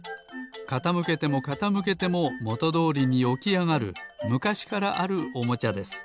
かたむけてもかたむけてももとどおりにおきあがるむかしからあるおもちゃです。